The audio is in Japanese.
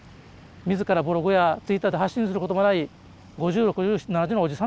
自らブログやツイッターで発信することもない５０６０７０のおじさんたち